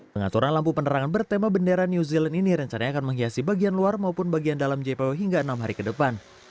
pengaturan lampu penerangan bertema bendera new zealand ini rencananya akan menghiasi bagian luar maupun bagian dalam jpo hingga enam hari ke depan